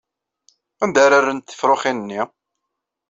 Anda ara rrent tefṛuxin-nni?